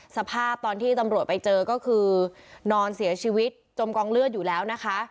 สภาพตอนที่ตำรวจไปเจอก็คือนอนเสียชีวิตจมกองเลือดอยู่แล้วนะคะ